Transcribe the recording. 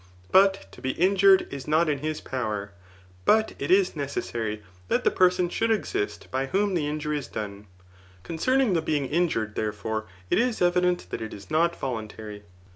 ] But to be injured is not in his power, but it is necessary that the person should exist by whom the injury is done. Concerning the being injured, there^ fore, it is evident that it is not voluntary.